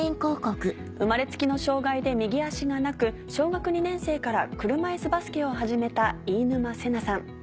生まれつきの障がいで右足がなく小学２年生から車いすバスケを始めた飯沼世成さん。